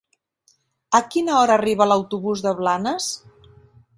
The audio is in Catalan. A quina hora arriba l'autobús de Blanes?